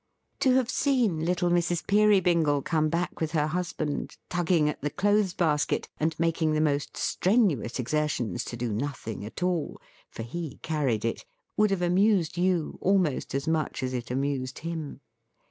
To have seen little Mrs. Peerybingle come back with her husband; tugging at the clothes basket, and making the most strenuous exertions to do nothing at all (for he carried it); would have amused you, almost as much as it amused him.